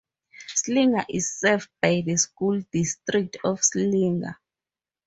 Slinger is served by the School District of Slinger.